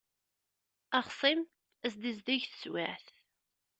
Axṣim ad s-d-tizdig teswiεt.